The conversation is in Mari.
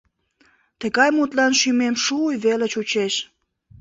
Тыгай мутлан шӱмем шууй веле чучеш...